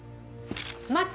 待って！